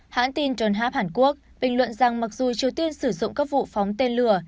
hãng tin john hap hàn quốc bình luận rằng mặc dù triều tiên sử dụng các vụ phóng tên lửa